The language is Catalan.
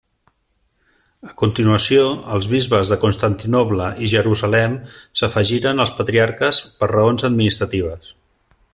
A continuació els bisbes de Constantinoble i Jerusalem s'afegiren als patriarques per raons administratives.